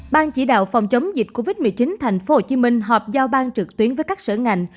ban chỉ đạo phòng chống dịch covid một mươi chín tp hcm họp giao bang trực tuyến với các sở ngành